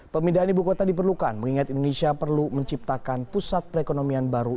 pemindahan ibu kota diperlukan mengingat indonesia perlu menciptakan pusat perekonomian baru